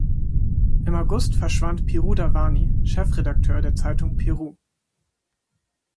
Im August verschwand Pirouz Davani, Chefredakteur der Zeitung "Pirouz" .